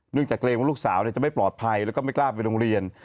จากเกรงว่าลูกสาวจะไม่ปลอดภัยแล้วก็ไม่กล้าไปโรงเรียน